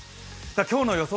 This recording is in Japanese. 今日の予想